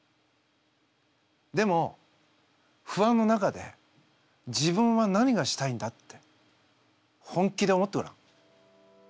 でも不安の中で自分は何がしたいんだって本気で思ってごらん。